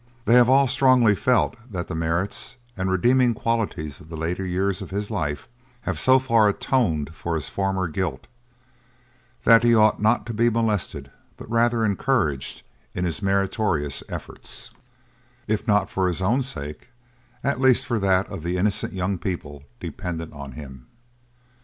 They have all strongly felt that the merits and redeeming qualities of the latter years of his life have so far atoned for his former guilt, that he ought not to be molested, but rather encouraged, in his meritorious efforts, if not for his own sake, at least for that of the innocent young people dependent on him.